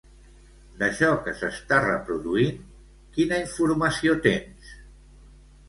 D'això que s'està reproduint quina informació tens?